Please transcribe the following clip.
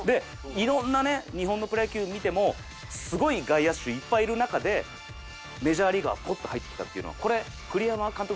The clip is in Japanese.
いろんなね日本のプロ野球見てもすごい外野手いっぱいいる中でメジャーリーガーがポッと入ってきたっていうのはこれ栗山監督